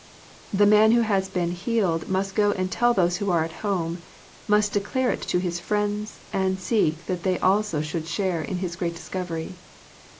The man who has been healed must go and tell those who are at home, must declare it to his friends, and seek that they also should share in his great discovery.